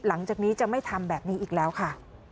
หลังจากนี้จะไม่ทำแบบนี้อีกแล้วค่ะ